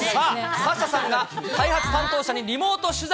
サッシャさんが開発担当者にリモート取材。